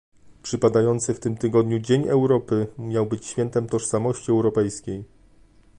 Przypadający w tym tygodniu Dzień Europy miał być świętem tożsamości europejskiej